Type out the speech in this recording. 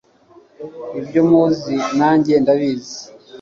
ibyo muzi, nanjye ndabizi